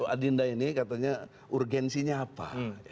adinda ini katanya urgensinya apa